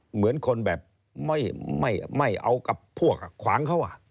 เหมือนคนแบบไม่เอากับพวกขวางเขา